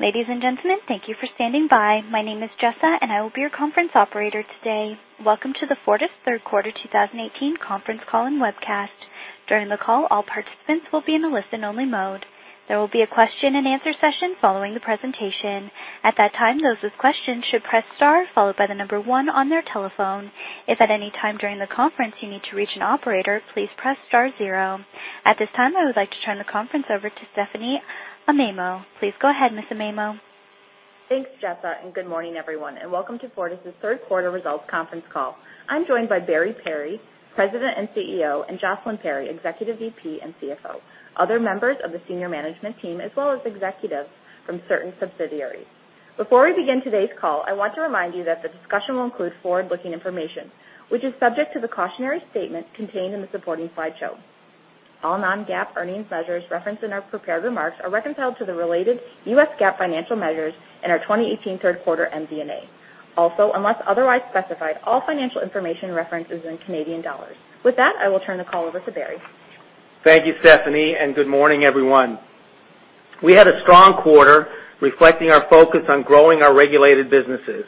Ladies and gentlemen, thank you for standing by. My name is Jessa, and I will be your conference operator today. Welcome to the Fortis Third Quarter 2018 conference call and webcast. During the call, all participants will be in a listen-only mode. There will be a question and answer session following the presentation. At that time, those with questions should press star followed by the number 1 on their telephone. If at any time during the conference you need to reach an operator, please press star 0. At this time, I would like to turn the conference over to Stephanie Amaimo. Please go ahead, Ms. Amaimo. Thanks, Jessa, and good morning, everyone, and welcome to Fortis' third quarter results conference call. I'm joined by Barry Perry, President and CEO, and Jocelyn Perry, Executive VP and CFO, other members of the senior management team, as well as executives from certain subsidiaries. Before we begin today's call, I want to remind you that the discussion will include forward-looking information, which is subject to the cautionary statement contained in the supporting slideshow. All non-GAAP earnings measures referenced in our prepared remarks are reconciled to the related US GAAP financial measures in our 2018 third-quarter MD&A. Also, unless otherwise specified, all financial information referenced is in CAD. With that, I will turn the call over to Barry. Thank you, Stephanie, and good morning, everyone. We had a strong quarter reflecting our focus on growing our regulated businesses.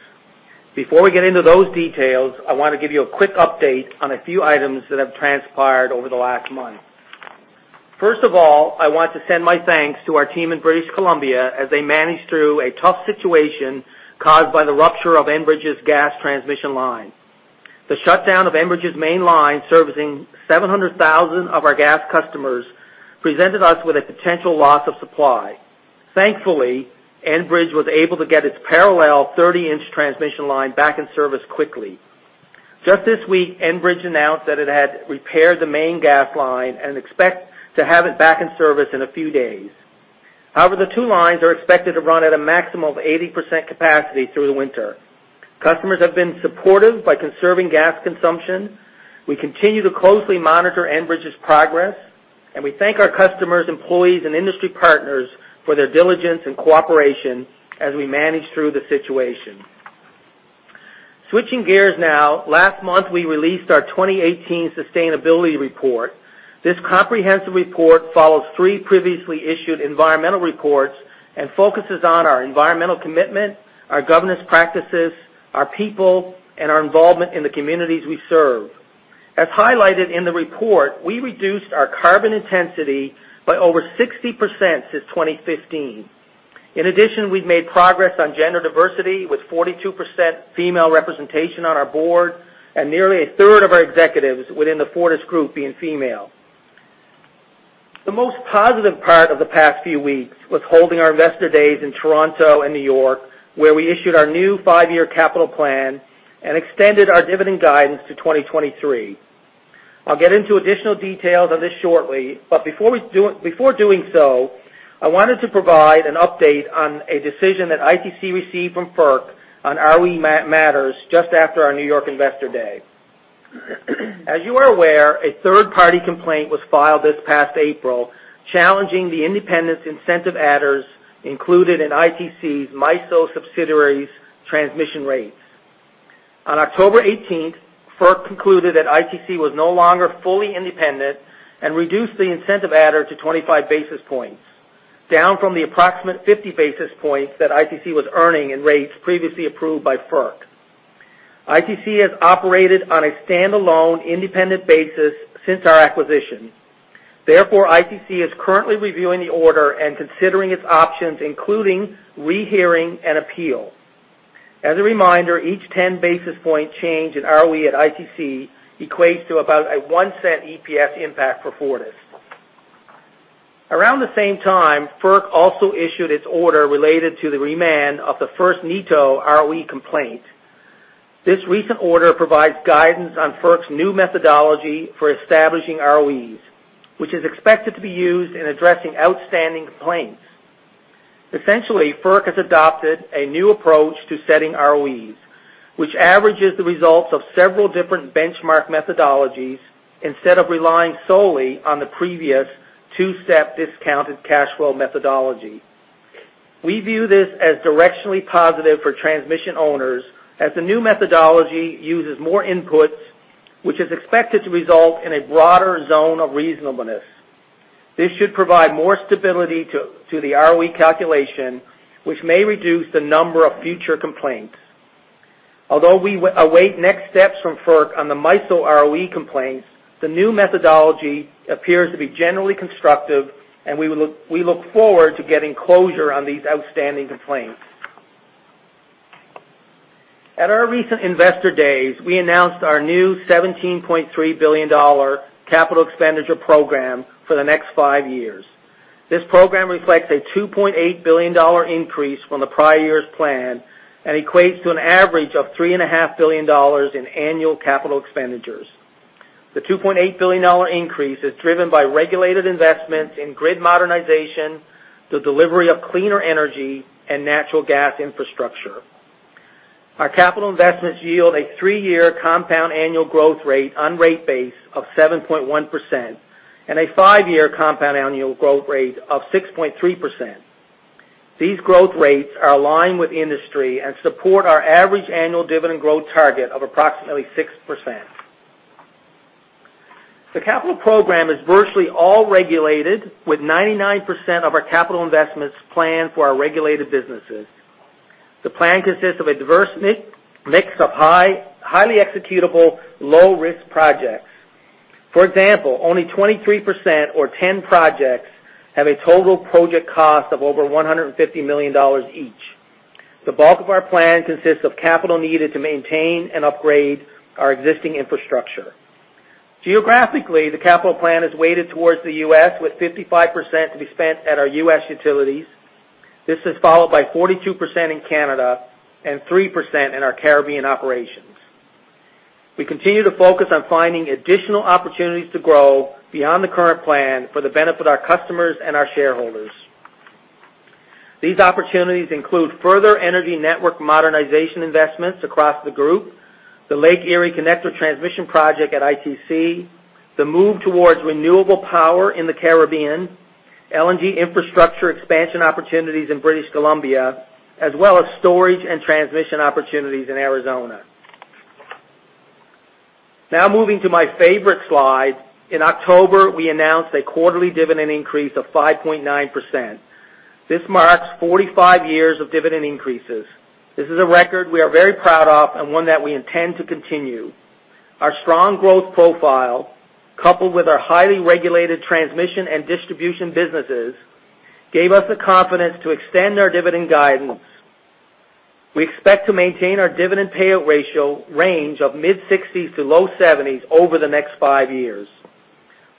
Before we get into those details, I want to give you a quick update on a few items that have transpired over the last month. First of all, I want to send my thanks to our team in British Columbia as they managed through a tough situation caused by the rupture of Enbridge's gas transmission line. The shutdown of Enbridge's main line, servicing 700,000 of our gas customers, presented us with a potential loss of supply. Thankfully, Enbridge was able to get its parallel 30-inch transmission line back in service quickly. Just this week, Enbridge announced that it had repaired the main gas line and expects to have it back in service in a few days. However, the two lines are expected to run at a maximum of 80% capacity through the winter. Customers have been supportive by conserving gas consumption. We continue to closely monitor Enbridge's progress, and we thank our customers, employees, and industry partners for their diligence and cooperation as we manage through the situation. Switching gears now, last month, we released our 2018 sustainability report. This comprehensive report follows three previously issued environmental reports and focuses on our environmental commitment, our governance practices, our people, and our involvement in the communities we serve. As highlighted in the report, we reduced our carbon intensity by over 60% since 2015. In addition, we've made progress on gender diversity, with 42% female representation on our board and nearly a third of our executives within the Fortis group being female. The most positive part of the past few weeks was holding our investor days in Toronto and New York, where we issued our new 5-year capital plan and extended our dividend guidance to 2023. I'll get into additional details on this shortly, but before doing so, I wanted to provide an update on a decision that ITC received from FERC on ROE matters just after our New York investor day. As you are aware, a third-party complaint was filed this past April challenging the independence incentive adders included in ITC's MISO subsidiaries transmission rates. On October 18th, FERC concluded that ITC was no longer fully independent and reduced the incentive adder to 25 basis points, down from the approximate 50 basis points that ITC was earning in rates previously approved by FERC. ITC has operated on a standalone, independent basis since our acquisition. ITC is currently reviewing the order and considering its options, including rehearing and appeal. As a reminder, each 10-basis-point change in ROE at ITC equates to about a 0.01 EPS impact for Fortis. FERC also issued its order related to the remand of the 1st NETO ROE complaint. Recent order provides guidance on FERC's new methodology for establishing ROEs, which is expected to be used in addressing outstanding complaints. FERC has adopted a new approach to setting ROEs, which averages the results of several different benchmark methodologies instead of relying solely on the previous 2-step discounted cash flow methodology. View this as directionally positive for transmission owners, as the new methodology uses more inputs, which is expected to result in a broader zone of reasonableness. Should provide more stability to the ROE calculation, which may reduce the number of future complaints. We await next steps from FERC on the MISO ROE complaints, the new methodology appears to be generally constructive, and we look forward to getting closure on these outstanding complaints. At our recent investor days, we announced our new 17.3 billion dollar capital expenditure program for the next 5 years. Program reflects a 2.8 billion dollar increase from the prior year's plan and equates to an average of 3.5 billion dollars in annual capital expenditures. 2.8 billion dollar increase is driven by regulated investments in grid modernization, the delivery of cleaner energy, and natural gas infrastructure. Our capital investments yield a 3-year compound annual growth rate on rate base of 7.1% and a 5-year compound annual growth rate of 6.3%. Growth rates are aligned with industry and support our average annual dividend growth target of approximately 6%. Capital program is virtually all regulated with 99% of our capital investments planned for our regulated businesses. Plan consists of a diverse mix of highly executable low-risk projects. For example, only 23% or 10 projects have a total project cost of over 150 million dollars each. Bulk of our plan consists of capital needed to maintain and upgrade our existing infrastructure. Capital plan is weighted towards the U.S., with 55% to be spent at our U.S. utilities. Followed by 42% in Canada and 3% in our Caribbean operations. We continue to focus on finding additional opportunities to grow beyond the current plan for the benefit of our customers and our shareholders. These opportunities include further energy network modernization investments across the group, the Lake Erie Connector transmission project at ITC, the move towards renewable power in the Caribbean, LNG infrastructure expansion opportunities in British Columbia, as well as storage and transmission opportunities in Arizona. Moving to my favorite slide. In October, we announced a quarterly dividend increase of 5.9%. This marks 45 years of dividend increases. This is a record we are very proud of and one that we intend to continue. Our strong growth profile, coupled with our highly regulated transmission and distribution businesses, gave us the confidence to extend our dividend guidance. We expect to maintain our dividend payout ratio range of mid-60s to low 70s over the next five years.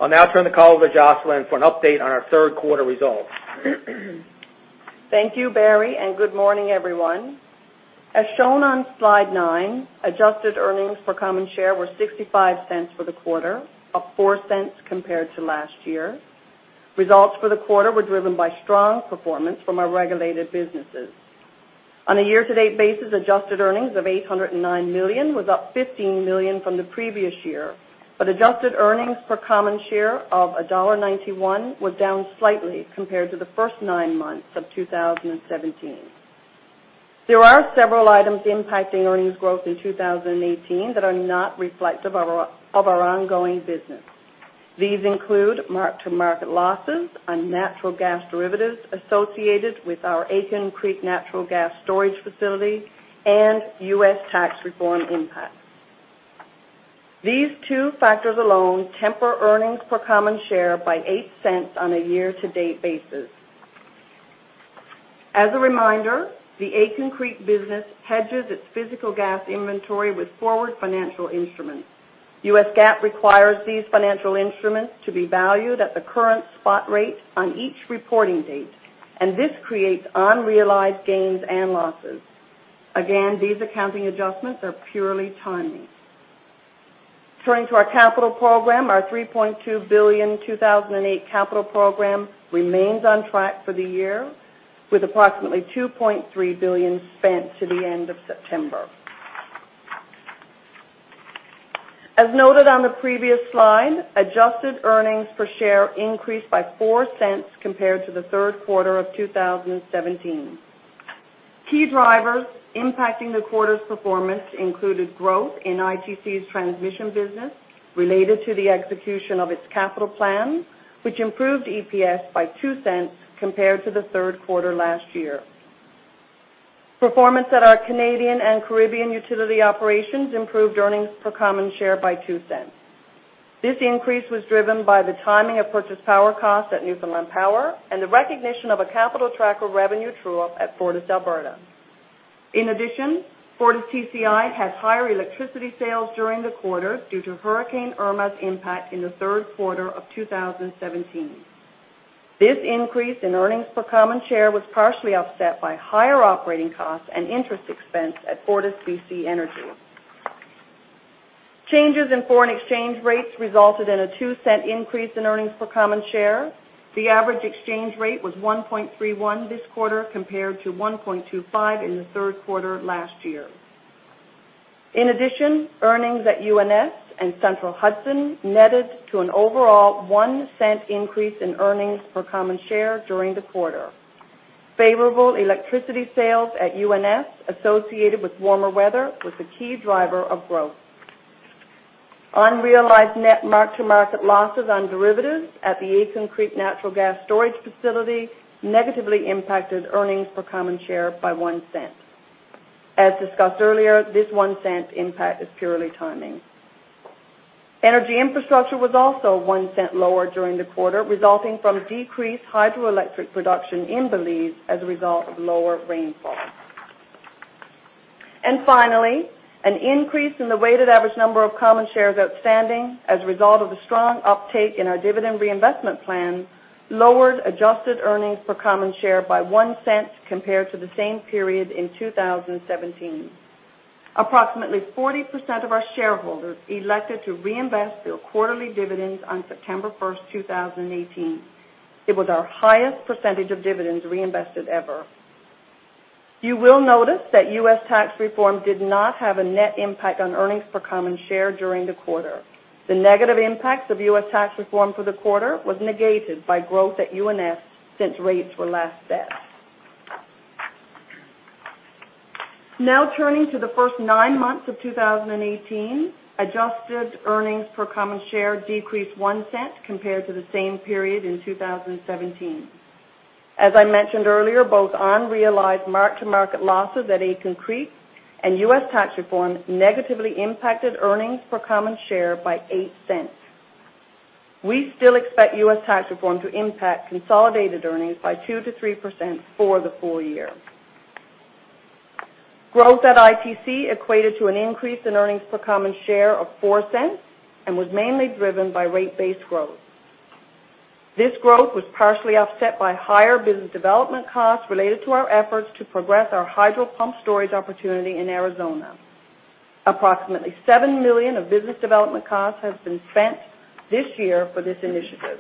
I'll now turn the call over to Jocelyn for an update on our third quarter results. Thank you, Barry, and good morning, everyone. As shown on slide nine, adjusted earnings per common share were 0.65 for the quarter, up 0.04 compared to last year. Results for the quarter were driven by strong performance from our regulated businesses. On a year-to-date basis, adjusted earnings of 809 million was up 15 million from the previous year. Adjusted earnings per common share of CAD 1.91 were down slightly compared to the first nine months of 2017. There are several items impacting earnings growth in 2018 that are not reflective of our ongoing business. These include mark-to-market losses on natural gas derivatives associated with our Aitken Creek natural gas storage facility and U.S. tax reform impacts. These two factors alone temper earnings per common share by 0.08 on a year-to-date basis. As a reminder, the Aitken Creek business hedges its physical gas inventory with forward financial instruments. U.S. GAAP requires these financial instruments to be valued at the current spot rate on each reporting date, and this creates unrealized gains and losses. Again, these accounting adjustments are purely timing. Turning to our capital program, our 3.2 billion 2018 capital program remains on track for the year, with approximately 2.3 billion spent to the end of September. As noted on the previous slide, adjusted earnings per share increased by 0.04 compared to the third quarter of 2017. Key drivers impacting the quarter's performance included growth in ITC's transmission business related to the execution of its capital plan, which improved EPS by 0.02 compared to the third quarter last year. Performance at our Canadian and Caribbean utility operations improved earnings per common share by 0.02. This increase was driven by the timing of purchased power costs at Newfoundland Power and the recognition of a capital tracker revenue true-up at FortisAlberta. In addition, FortisTCI had higher electricity sales during the quarter due to Hurricane Irma's impact in the third quarter of 2017. This increase in earnings per common share was partially offset by higher operating costs and interest expense at FortisBC Energy. Changes in foreign exchange rates resulted in a 0.02 increase in earnings per common share. The average exchange rate was 1.31 this quarter, compared to 1.25 in the third quarter last year. In addition, earnings at UNS and Central Hudson netted to an overall 0.01 increase in earnings per common share during the quarter. Favorable electricity sales at UNS associated with warmer weather was the key driver of growth. Unrealized net mark-to-market losses on derivatives at the Aitken Creek Natural Gas Storage Facility negatively impacted earnings per common share by 0.01. As discussed earlier, this 0.01 impact is purely timing. Energy infrastructure was also 0.01 lower during the quarter, resulting from decreased hydroelectric production in Belize as a result of lower rainfall. Finally, an increase in the weighted average number of common shares outstanding as a result of a strong uptake in our dividend reinvestment plan lowered adjusted earnings per common share by 0.01 compared to the same period in 2017. Approximately 40% of our shareholders elected to reinvest their quarterly dividends on September 1st, 2018. It was our highest percentage of dividends reinvested ever. You will notice that U.S. tax reform did not have a net impact on earnings per common share during the quarter. The negative impacts of U.S. tax reform for the quarter was negated by growth at UNS since rates were less set. Turning to the first nine months of 2018, adjusted earnings per common share decreased 0.01 compared to the same period in 2017. As I mentioned earlier, both unrealized mark-to-market losses at Aitken Creek and U.S. tax reform negatively impacted earnings per common share by 0.08. We still expect U.S. tax reform to impact consolidated earnings by 2%-3% for the full year. Growth at ITC equated to an increase in earnings per common share of 0.04 and was mainly driven by rate base growth. This growth was partially offset by higher business development costs related to our efforts to progress our hydro pump storage opportunity in Arizona. Approximately 7 million of business development costs have been spent this year for this initiative.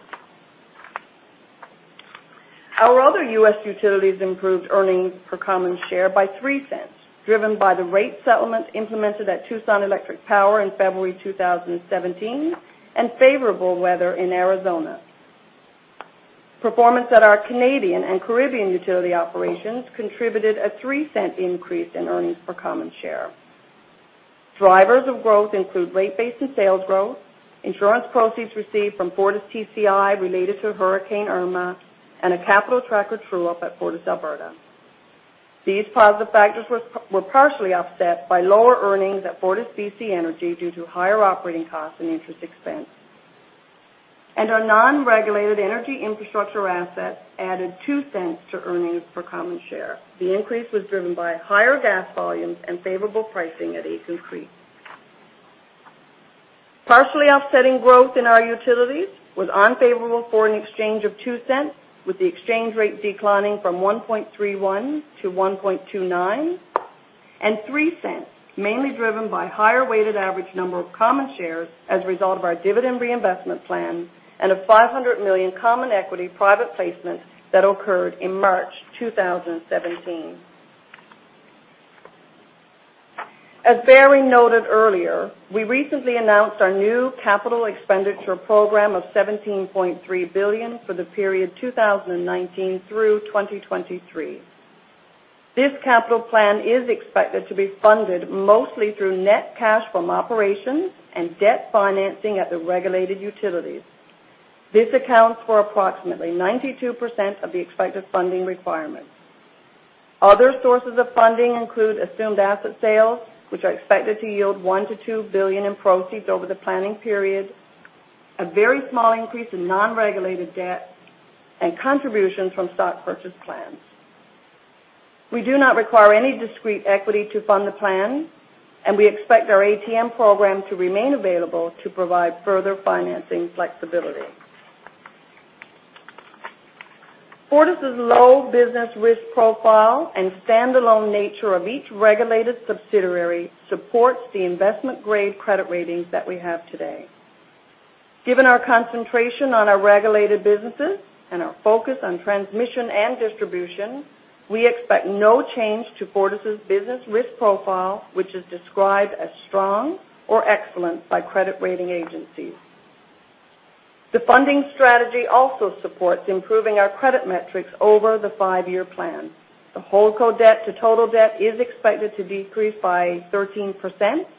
Our other U.S. utilities improved earnings per common share by 0.03, driven by the rate settlement implemented at Tucson Electric Power in February 2017 and favorable weather in Arizona. Performance at our Canadian and Caribbean utility operations contributed a 0.03 increase in earnings per common share. Drivers of growth include rate base and sales growth, insurance proceeds received from FortisTCI related to Hurricane Irma, and a capital tracker true-up at FortisAlberta. These positive factors were partially offset by lower earnings at FortisBC Energy due to higher operating costs and interest expense. Our non-regulated energy infrastructure assets added 0.02 to earnings per common share. The increase was driven by higher gas volumes and favorable pricing at Aitken Creek. Partially offsetting growth in our utilities was unfavorable foreign exchange of 0.02, with the exchange rate declining from 1.31 to 1.29, and 0.03, mainly driven by higher weighted average number of common shares as a result of our dividend reinvestment plan and a 500 million common equity private placement that occurred in March 2017. As Barry noted earlier, we recently announced our new capital expenditure program of 17.3 billion for the period 2019 through 2023. This capital plan is expected to be funded mostly through net cash from operations and debt financing at the regulated utilities. This accounts for approximately 92% of the expected funding requirements. Other sources of funding include assumed asset sales, which are expected to yield 1 billion-2 billion in proceeds over the planning period, a very small increase in non-regulated debt, and contributions from stock purchase plans. We do not require any discrete equity to fund the plan. We expect our ATM program to remain available to provide further financing flexibility. Fortis' low business risk profile and standalone nature of each regulated subsidiary supports the investment-grade credit ratings that we have today. Given our concentration on our regulated businesses and our focus on transmission and distribution, we expect no change to Fortis' business risk profile, which is described as strong or excellent by credit rating agencies. The funding strategy also supports improving our credit metrics over the five-year plan. The holdco debt to total debt is expected to decrease by 13%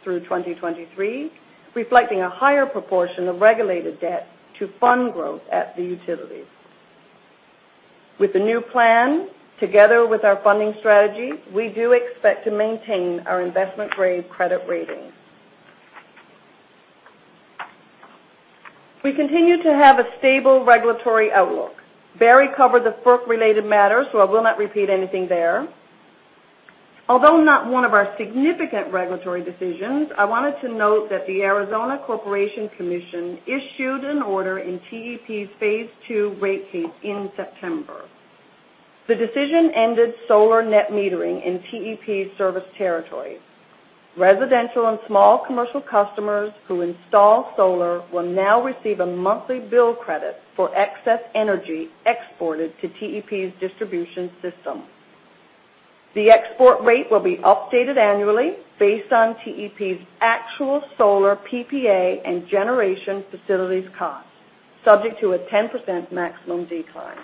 through 2023, reflecting a higher proportion of regulated debt to fund growth at the utilities. The new plan, together with our funding strategy, we do expect to maintain our investment-grade credit rating. We continue to have a stable regulatory outlook. Barry covered the FERC-related matters. I will not repeat anything there. Although not one of our significant regulatory decisions, I wanted to note that the Arizona Corporation Commission issued an order in TEP's phase two rate case in September. The decision ended solar net metering in TEP's service territory. Residential and small commercial customers who install solar will now receive a monthly bill credit for excess energy exported to TEP's distribution system. The export rate will be updated annually based on TEP's actual solar PPA and generation facilities cost, subject to a 10% maximum decline.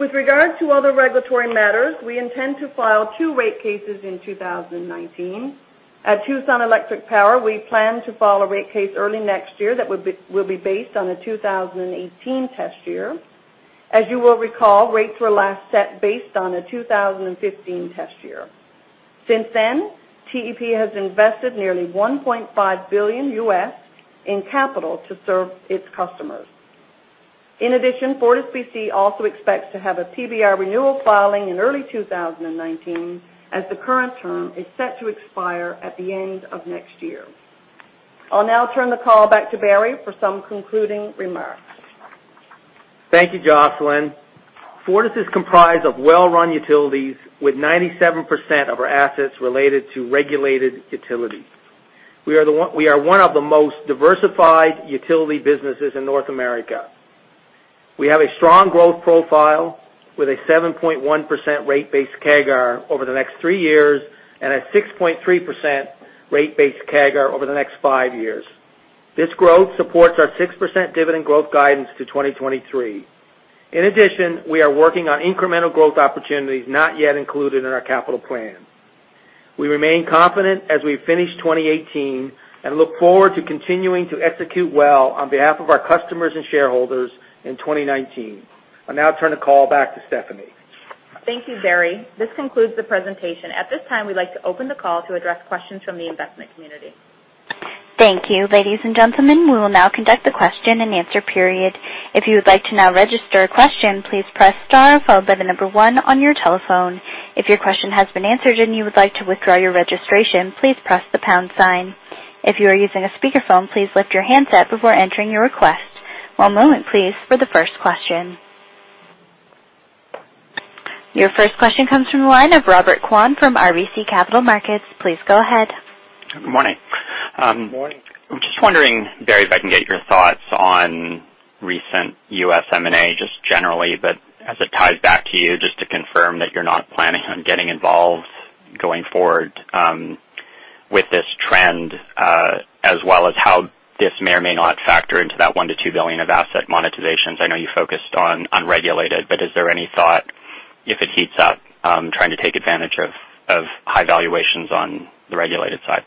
With regard to other regulatory matters, we intend to file two rate cases in 2019. At Tucson Electric Power, we plan to file a rate case early next year that will be based on the 2018 test year. As you will recall, rates were last set based on a 2015 test year. Since then, TEP has invested nearly $1.5 billion in capital to serve its customers. In addition, FortisBC also expects to have a PBR renewal filing in early 2019 as the current term is set to expire at the end of next year. I will now turn the call back to Barry for some concluding remarks. Thank you, Jocelyn. Fortis is comprised of well-run utilities with 97% of our assets related to regulated utilities. We are one of the most diversified utility businesses in North America. We have a strong growth profile with a 7.1% rate base CAGR over the next three years and a 6.3% rate base CAGR over the next five years. This growth supports our 6% dividend growth guidance to 2023. In addition, we are working on incremental growth opportunities not yet included in our capital plan. We remain confident as we finish 2018. We look forward to continuing to execute well on behalf of our customers and shareholders in 2019. I will now turn the call back to Stephanie. Thank you, Barry. This concludes the presentation. At this time, we'd like to open the call to address questions from the investment community. Thank you, ladies and gentlemen. We will now conduct the question and answer period. If you would like to now register a question, please press star followed by the number one on your telephone. If your question has been answered and you would like to withdraw your registration, please press the pound sign. If you are using a speakerphone, please lift your handset before entering your request. One moment, please, for the first question. Your first question comes from the line of Robert Kwan from RBC Capital Markets. Please go ahead. Good morning. Morning. I'm just wondering, Barry, if I can get your thoughts on recent U.S. M&A just generally, but as it ties back to you, just to confirm that you're not planning on getting involved going forward with this trend, as well as how this may or may not factor into that 1 billion-2 billion of asset monetizations. I know you focused on unregulated, but is there any thought if it heats up, trying to take advantage of high valuations on the regulated side?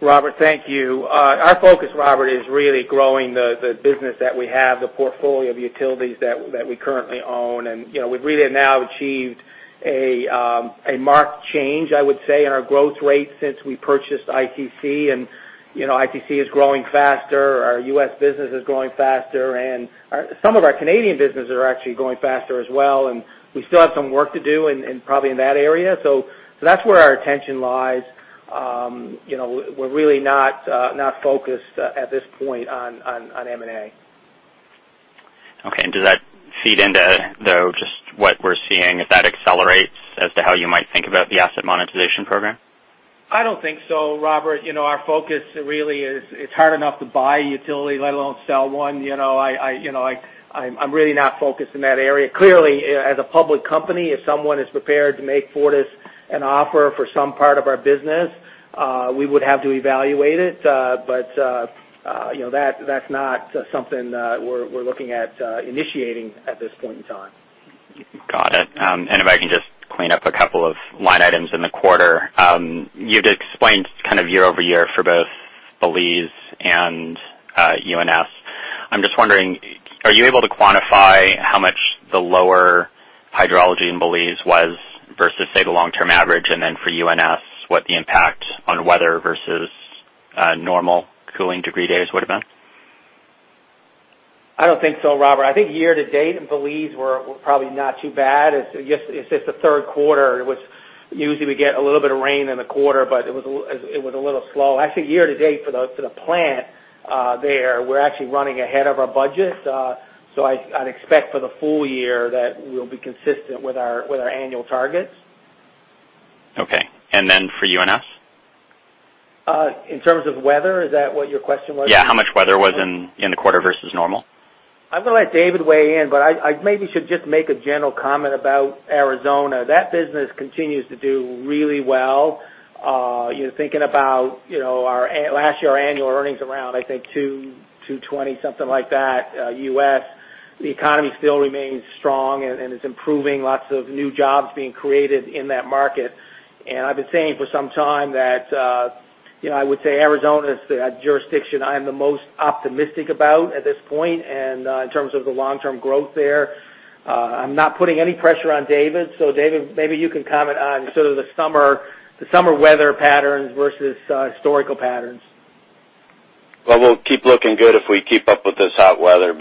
Robert, thank you. Our focus, Robert, is really growing the business that we have, the portfolio of utilities that we currently own. We've really now achieved a marked change, I would say, in our growth rate since we purchased ITC. ITC is growing faster. Our U.S. business is growing faster. Some of our Canadian businesses are actually growing faster as well, and we still have some work to do probably in that area. That's where our attention lies. We're really not focused at this point on M&A. Okay. Does that feed into, though, just what we're seeing, if that accelerates as to how you might think about the asset monetization program? I don't think so, Robert. Our focus really is, it's hard enough to buy a utility, let alone sell one. I'm really not focused in that area. Clearly, as a public company, if someone is prepared to make Fortis an offer for some part of our business, we would have to evaluate it. That's not something we're looking at initiating at this point in time. Got it. If I can just clean up a couple of line items in the quarter. You had explained kind of year-over-year for both Belize and UNS. I'm just wondering, are you able to quantify how much the lower hydrology in Belize was versus, say, the long-term average? Then for UNS, what the impact on weather versus normal cooling degree days would've been? I don't think so, Robert. I think year-to-date in Belize, we're probably not too bad. It's just the third quarter. Usually we get a little bit of rain in the quarter, but it was a little slow. Year-to-date for the plant there, we're actually running ahead of our budget. I'd expect for the full year that we'll be consistent with our annual targets. Okay. For UNS? In terms of weather? Is that what your question was? Yeah, how much weather was in the quarter versus normal? I'm going to let David weigh in, but I maybe should just make a general comment about Arizona. That business continues to do really well. Thinking about last year, our annual earnings around, I think $220, something like that, U.S. The economy still remains strong and is improving. Lots of new jobs being created in that market. I've been saying for some time that I would say Arizona is the jurisdiction I am the most optimistic about at this point, and in terms of the long-term growth there. I'm not putting any pressure on David. David, maybe you can comment on sort of the summer weather patterns versus historical patterns. We'll keep looking good if we keep up with this hot weather.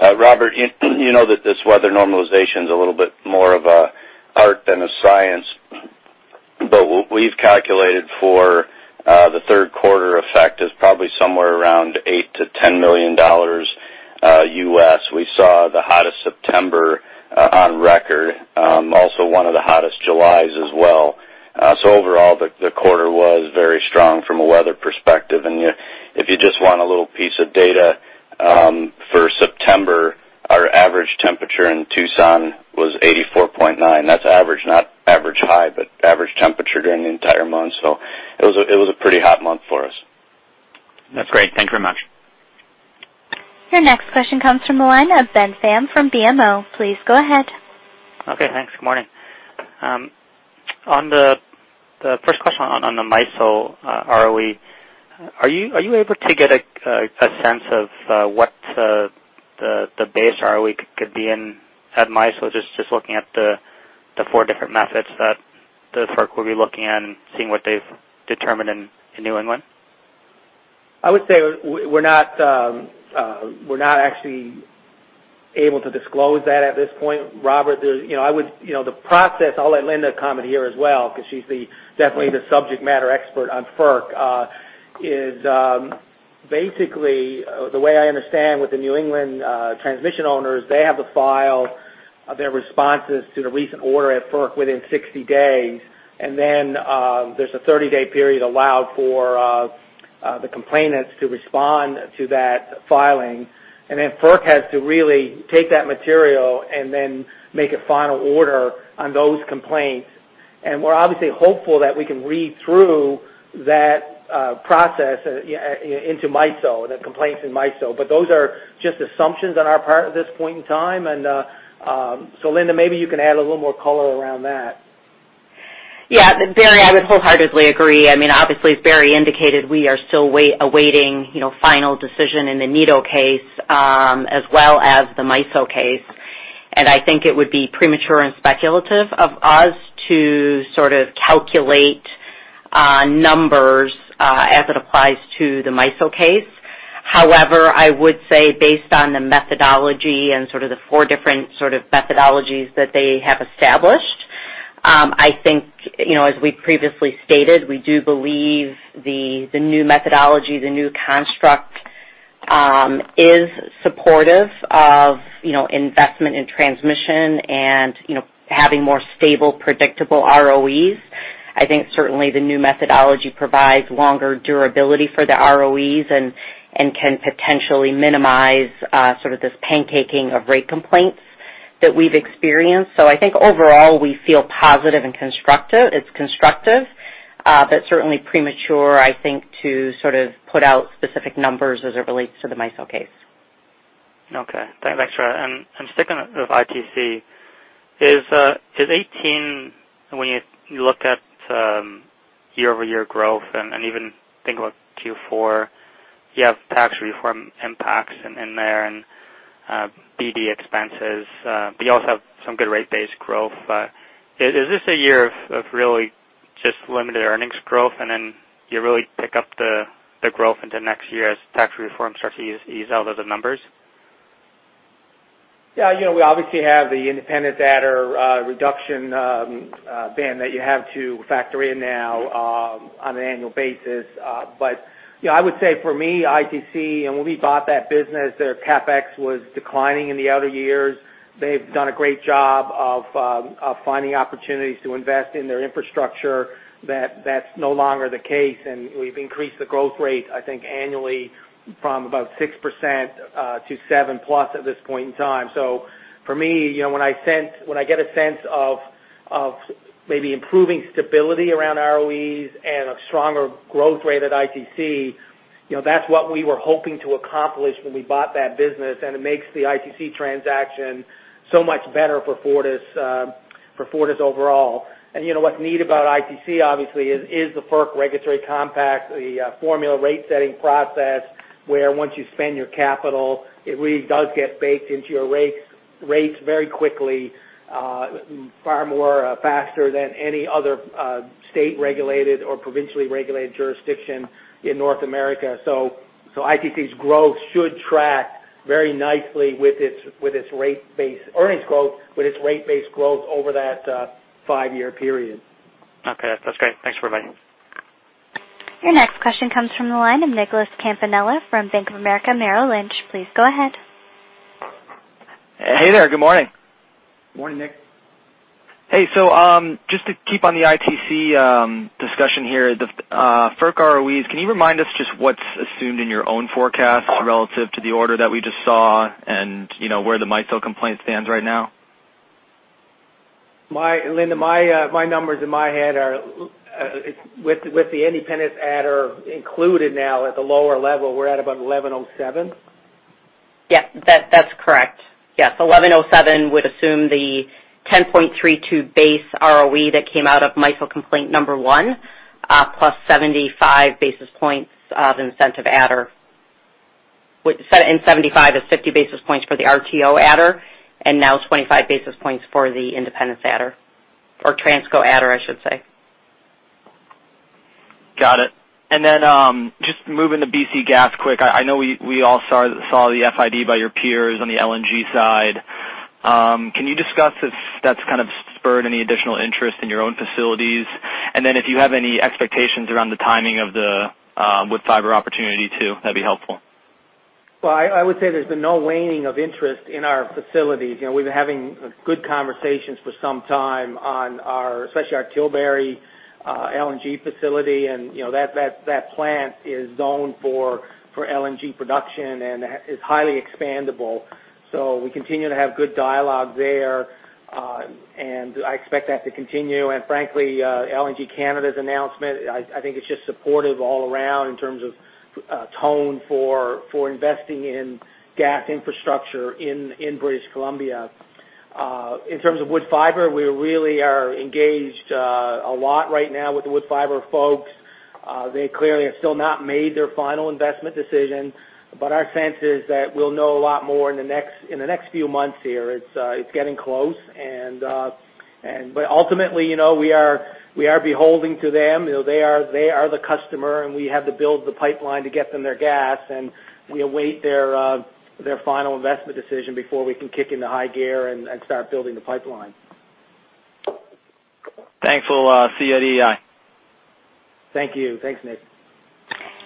Robert, you know that this weather normalization is a little bit more of an art than a science. What we've calculated for the third quarter effect is probably somewhere around $8 million-$10 million U.S. We saw the hottest September on record, also one of the hottest Julys as well. Overall, the quarter was very strong from a weather perspective. If you just want a little piece of data, for September, our average temperature in Tucson was 84.9. That's average, not average high, but average temperature during the entire month. It was a pretty hot month for us. That's great. Thank you very much. Your next question comes from the line of Ben Pham from BMO. Please go ahead. Okay. Thanks. Good morning. The first question on the MISO ROE. Are you able to get a sense of what the base ROE could be at MISO, just looking at the four different methods that FERC will be looking at and seeing what they've determined in New England? I would say we're not actually able to disclose that at this point, Robert. The process, I'll let Linda comment here as well, because she's definitely the subject matter expert on FERC, is basically, the way I understand with the New England transmission owners, they have to file their responses to the recent order at FERC within 60 days. There's a 30-day period allowed for the complainants to respond to that filing. FERC has to really take that material and then make a final order on those complaints. We're obviously hopeful that we can read through that process into MISO, the complaints in MISO. Those are just assumptions on our part at this point in time. Linda, maybe you can add a little more color around that. Yeah. Barry, I would wholeheartedly agree. Obviously, as Barry indicated, we are still awaiting final decision in the NETO case, as well as the MISO case. I think it would be premature and speculative of us to sort of calculate numbers as it applies to the MISO case. However, I would say based on the methodology and sort of the four different sort of methodologies that they have established, I think, as we previously stated, we do believe the new methodology, the new construct, is supportive of investment in transmission and having more stable, predictable ROEs. I think certainly the new methodology provides longer durability for the ROEs and can potentially minimize sort of this pancaking of rate complaints that we've experienced. I think overall, we feel positive and constructive. It's constructive, but certainly premature, I think, to sort of put out specific numbers as it relates to the MISO case. Okay. Thanks for that. Sticking with ITC, is 2018, when you look at year-over-year growth and even think about Q4, you have tax reform impacts in there and BD expenses, but you also have some good rate base growth. Is this a year of really just limited earnings growth and then you really pick up the growth into next year as tax reform starts to ease out of the numbers? Yeah. We obviously have the independent adder reduction, Ben, that you have to factor in now on an annual basis. I would say for me, ITC, when we bought that business, their CapEx was declining in the outer years. They've done a great job of finding opportunities to invest in their infrastructure. That's no longer the case, and we've increased the growth rate, I think, annually from about 6% to 7 plus at this point in time. For me, when I get a sense of maybe improving stability around ROEs and a stronger growth rate at ITC, that's what we were hoping to accomplish when we bought that business, and it makes the ITC transaction so much better for Fortis overall. What's neat about ITC, obviously, is the FERC regulatory compact, the formula rate-setting process, where once you spend your capital, it really does get baked into your rates very quickly, far more faster than any other state-regulated or provincially regulated jurisdiction in North America. ITC's growth should track very nicely with its earnings growth, with its rate-based growth over that five-year period. Okay. That's great. Thanks for providing. Your next question comes from the line of Nicholas Campanella from Bank of America Merrill Lynch. Please go ahead. Hey there. Good morning. Morning, Nick. Hey. Just to keep on the ITC discussion here, the FERC ROEs, can you remind us just what's assumed in your own forecast relative to the order that we just saw and where the MISO complaint stands right now? Linda, my numbers in my head are, with the independent adder included now at the lower level, we are at about 1,107. Yep. That is correct. Yes, 1,107 would assume the 10.32 base ROE that came out of MISO complaint number 1, plus 75 basis points of incentive adder. In 75 is 50 basis points for the RTO adder, and now 25 basis points for the independent adder, or Transco adder, I should say. Got it. Just moving to BC Gas quick. I know we all saw the FID by your peers on the LNG side. Can you discuss if that is kind of spurred any additional interest in your own facilities? If you have any expectations around the timing of the Woodfibre LNG opportunity too, that would be helpful. Well, I would say there has been no waning of interest in our facilities. We have been having good conversations for some time on especially our Tilbury LNG facility, and that plant is zoned for LNG production and is highly expandable. We continue to have good dialogue there, and I expect that to continue. Frankly, LNG Canada's announcement, I think it is just supportive all around in terms of tone for investing in gas infrastructure in British Columbia. In terms of Woodfibre LNG, we really are engaged a lot right now with the Woodfibre LNG folks. They clearly have still not made their final investment decision, but our sense is that we will know a lot more in the next few months here. It is getting close. Ultimately, we are beholden to them. They are the customer, and we have to build the pipeline to get them their gas, and we await their final investment decision before we can kick into high gear and start building the pipeline. Thanks. We'll see you at EEI. Thank you. Thanks, Nick.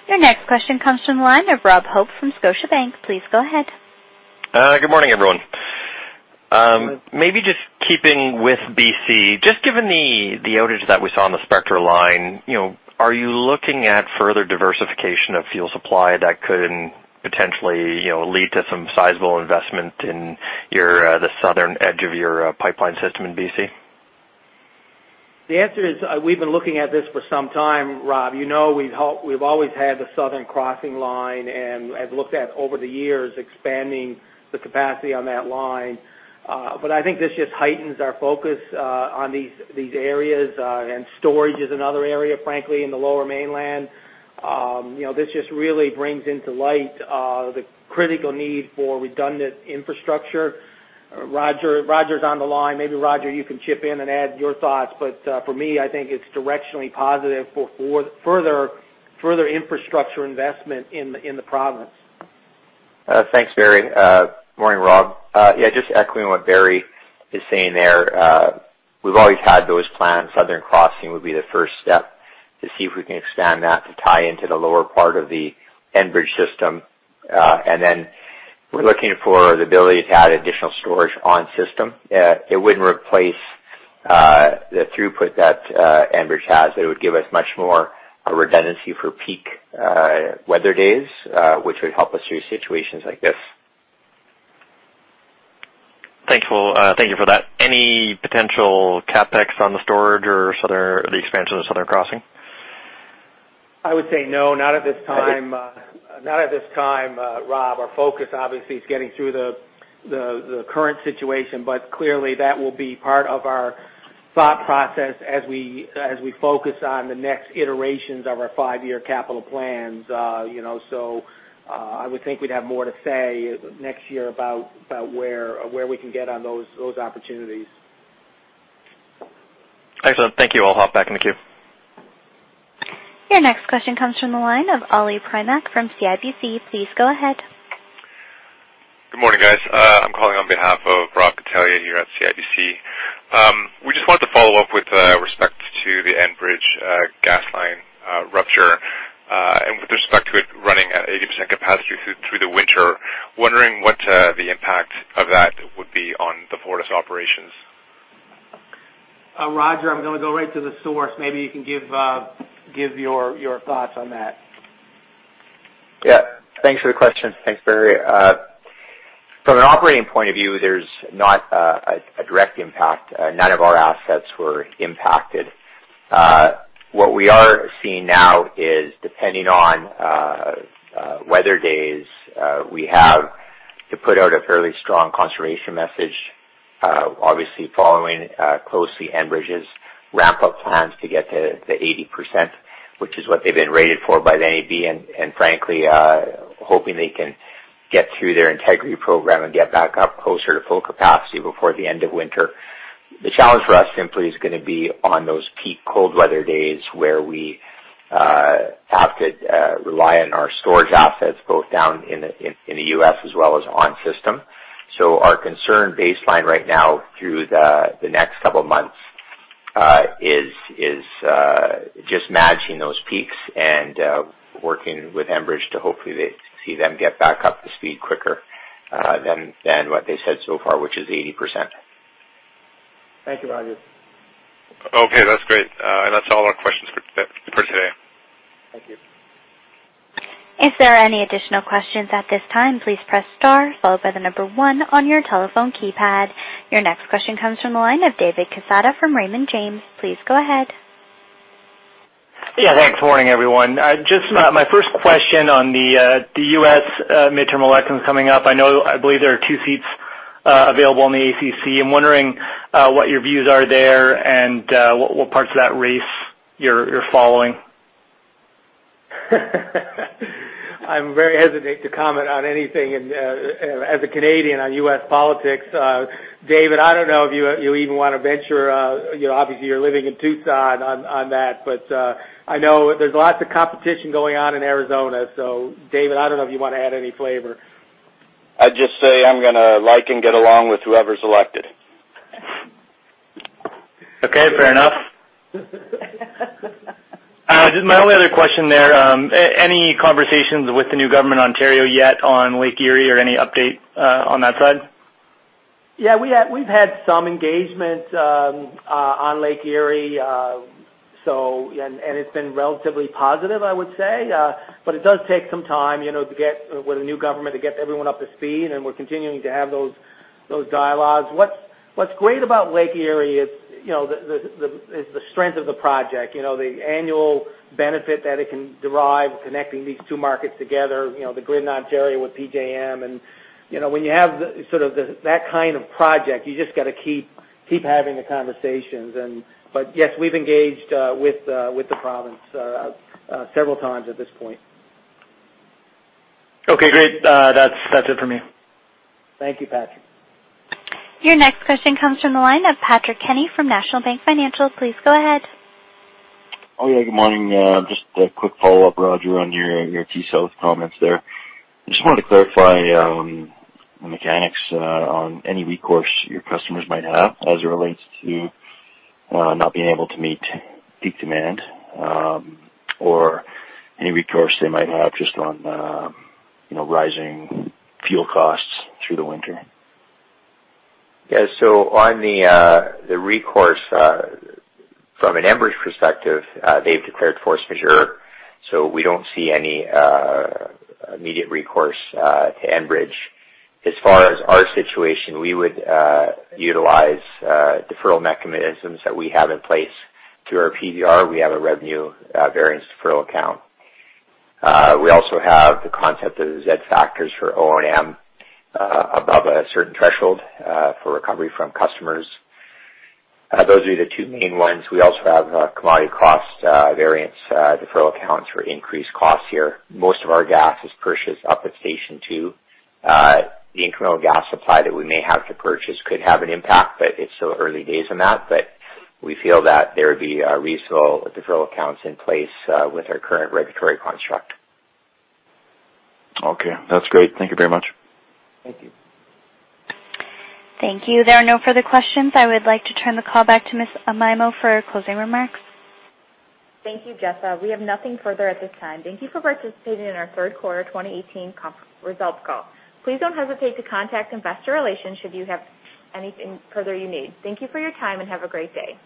Your next question comes from the line of Robert Hope from Scotiabank. Please go ahead. Good morning, everyone. Good morning. Maybe just keeping with BC, just given the outage that we saw on the Spectra line, are you looking at further diversification of fuel supply that could potentially lead to some sizable investment in the southern edge of your pipeline system in BC? The answer is, we've been looking at this for some time, Rob. You know we've always had the Southern Crossing line, and have looked at, over the years, expanding the capacity on that line. I think this just heightens our focus on these areas. Storage is another area, frankly, in the Lower Mainland. This just really brings into light the critical need for redundant infrastructure. Roger's on the line. Maybe Roger, you can chip in and add your thoughts. For me, I think it's directionally positive for further infrastructure investment in the province. Thanks, Barry. Morning, Rob. Yeah, just echoing what Barry is saying there. We've always had those plans. Southern Crossing would be the first step to see if we can expand that to tie into the lower part of the Enbridge system. We're looking for the ability to add additional storage on system. It wouldn't replace the throughput that Enbridge has. It would give us much more redundancy for peak weather days, which would help us through situations like this. Thank you for that. Any potential CapEx on the storage or the expansion of Southern Crossing? I would say no, not at this time, Rob. Our focus, obviously, is getting through the current situation. Clearly, that will be part of our thought process as we focus on the next iterations of our five-year capital plans. I would think we'd have more to say next year about where we can get on those opportunities. Excellent. Thank you. I'll hop back in the queue. Your next question comes from the line of Ali Primack from CIBC. Please go ahead. Good morning, guys. I am calling on behalf of Brock Italia here at CIBC. We just wanted to follow up with respect to the Enbridge gas line rupture, and with respect to it running at 80% capacity through the winter. Wondering what the impact of that would be on the Fortis operations. Roger, I am going to go right to the source. Maybe you can give your thoughts on that. Yeah. Thanks for the question. Thanks, Barry. From an operating point of view, there is not a direct impact. None of our assets were impacted. What we are seeing now is, depending on weather days, we have to put out a fairly strong conservation message, obviously following closely Enbridge's ramp-up plans to get to 80%, which is what they have been rated for by the NEB, and frankly, hoping they can get through their integrity program and get back up closer to full capacity before the end of winter. The challenge for us simply is going to be on those peak cold weather days, where we have to rely on our storage assets, both down in the U.S. as well as on system. Our concern baseline right now through the next couple of months is just managing those peaks and working with Enbridge to hopefully see them get back up to speed quicker than what they said so far, which is 80%. Thank you, Roger. Okay, that's great. That's all our questions for today. Thank you. If there are any additional questions at this time, please press star followed by the number one on your telephone keypad. Your next question comes from the line of David Quezada from Raymond James. Please go ahead. Yeah, thanks. Morning, everyone. Just my first question on the U.S. midterm elections coming up. I believe there are two seats available in the ACC. I'm wondering what your views are there and what parts of that race you're following. I'm very hesitant to comment on anything, as a Canadian, on U.S. politics. David, I don't know if you even want to venture, obviously you're living in Tucson, on that. I know there's lots of competition going on in Arizona. David, I don't know if you want to add any flavor. I'd just say I'm going to like and get along with whoever's elected. Okay, fair enough. My only other question there, any conversations with the new government in Ontario yet on Lake Erie or any update on that side? Yeah, we've had some engagement on Lake Erie, and it's been relatively positive, I would say. It does take some time, with a new government, to get everyone up to speed, and we're continuing to have those dialogues. What's great about Lake Erie is the strength of the project. The annual benefit that it can derive connecting these two markets together, the grid in Ontario with PJM, and when you have sort of that kind of project, you just got to keep having the conversations. Yes, we've engaged with the province several times at this point. Okay, great. That's it for me. Thank you, Patrick. Your next question comes from the line of Patrick Kenny from National Bank Financial. Please go ahead. Oh, yeah. Good morning. Just a quick follow-up, Roger, on your T-South comments there. I just wanted to clarify the mechanics on any recourse your customers might have as it relates to not being able to meet peak demand, or any recourse they might have just on rising fuel costs through the winter. Yeah, on the recourse, from an Enbridge perspective, they've declared force majeure, so we don't see any immediate recourse to Enbridge. As far as our situation, we would utilize deferral mechanisms that we have in place through our PBR. We have a revenue variance deferral account. We also have the concept of the Z-factors for O&M above a certain threshold for recovery from customers. Those are the two main ones. We also have commodity cost variance deferral accounts for increased costs here. Most of our gas is purchased up at Station 2. The incremental gas supply that we may have to purchase could have an impact, but it's still early days on that. We feel that there would be reasonable deferral accounts in place with our current regulatory construct. Okay, that's great. Thank you very much. Thank you. Thank you. There are no further questions. I would like to turn the call back to Ms. Amaimo for closing remarks. Thank you, Jessa. We have nothing further at this time. Thank you for participating in our third quarter 2018 conference results call. Please don't hesitate to contact investor relations should you have anything further you need. Thank you for your time, and have a great day.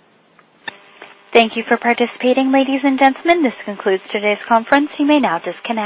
Thank you for participating, ladies and gentlemen. This concludes today's conference. You may now disconnect.